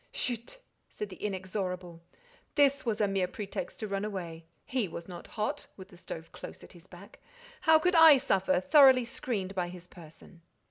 "Chut!" said the inexorable, "this was a mere pretext to run away; he was not hot, with the stove close at his back; how could I suffer, thoroughly screened by his person?"